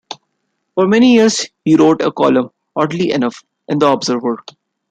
For many years he wrote a column, "Oddly Enough", in "The Observer".